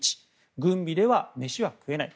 軍備では飯は食えない。